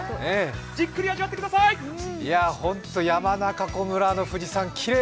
じっくり味わってください！